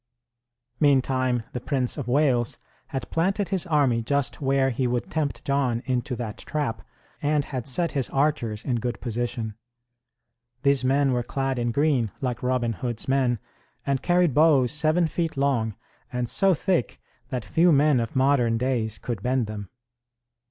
Meantime, the Prince of Wales had planted his army just where he would tempt John into that trap and had set his archers in good position. These men were clad in green, like Robin Hood's men, and carried bows seven feet long and so thick that few men of modern days could bend them.